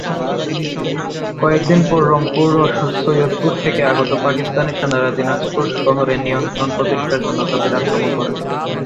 কয়েক দিন পর রংপুর ও সৈয়দপুর থেকে আগত পাকিস্তানি সেনারা দিনাজপুর শহরে নিয়ন্ত্রণ প্রতিষ্ঠার জন্য তাদের আক্রমণ করে।